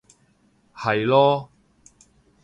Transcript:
係囉